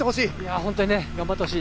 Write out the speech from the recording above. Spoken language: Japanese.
本当に頑張ってほしい。